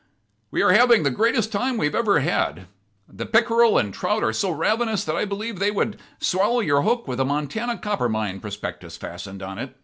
"We are having the greatest time we've ever had. The pickerel and trout are so ravenous that I believe they would swallow your hook with a Montana copper mine prospectus fastened on it.